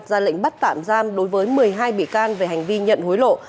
ra lệnh bắt tạm giam đối với một mươi hai bị can về hành vi nhận hối lộ